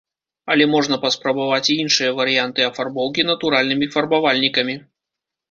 Але можна паспрабаваць і іншыя варыянтаў афарбоўкі натуральнымі фарбавальнікамі.